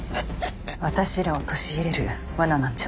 私らを陥れる罠なんじゃ？